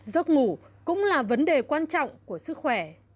giấc ngủ cũng là vấn đề quan trọng của sức khỏe